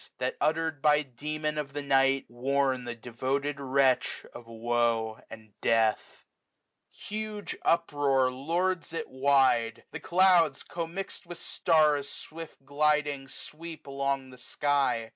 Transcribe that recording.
That, utter'd by the Demon of the night. WINTER. tSs Wnm thie dcwtod wretch of woe and death. Huge uproar lords it wide. The clouds commix'd With stats ewift gliding sweep along the sky.